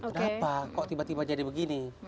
kenapa kok tiba tiba jadi begini